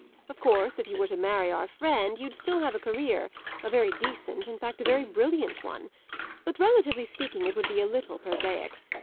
Of course if you were to marry our friend you'd still have a career a very decent, in fact a very brilliant one. But relatively speaking it would be a little prosaic.